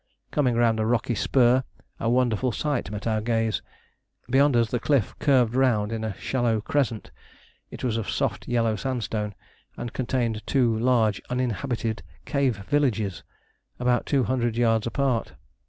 Coming round a rocky spur a wonderful sight met our gaze. Beyond us the cliff curved round in a shallow crescent. It was of soft yellow sandstone, and contained two large uninhabited cave villages, about two hundred yards apart.